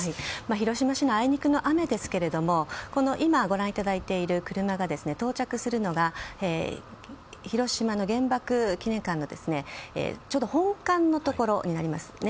広島市はあいにくの雨ですが今ご覧いただいている車が到着するのが広島の原爆記念館のちょうど本館のところになりますね。